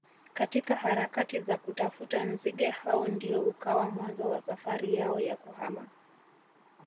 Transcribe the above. katika harakati za kutafuta nzige hao ndio ukawa mwanzo wa safari yao ya kuhama